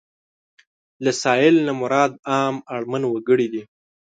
له سايل نه مراد عام اړمن وګړي دي.